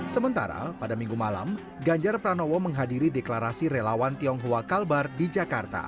sementara pada minggu malam ganjar pranowo menghadiri deklarasi relawan tiongkok